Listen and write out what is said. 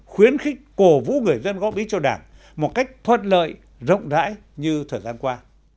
khuyến khích cổ vũ người dân góp ý cho đảng một cách thuận lợi rộng rãi như thời gian qua